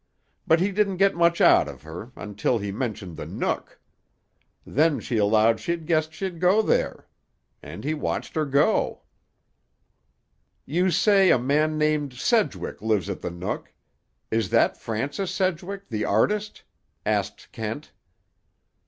But he didn't get much out of her, until he mentioned the Nook. Then she allowed she guessed she'd go there. An' he watched her go." "You say a man named Sedgwick lives at the Nook. Is that Francis Sedgwick, the artist?" asked Kent.